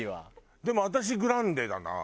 でも私グランデだな。